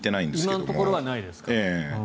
今のところはないですか。